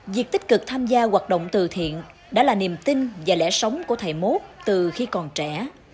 việc tích cực tham gia hoạt động từ thiện đã là niềm tin và lẽ sống của thầy mốt từ khi còn trẻ